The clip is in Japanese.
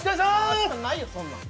ないよ、そんなん。